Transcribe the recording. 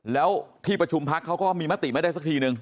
แล้วที่ประชุมพักเขาก็มีมติไม่ได้สักทีนึง